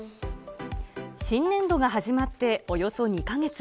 新年度が始まっておよそ２か月。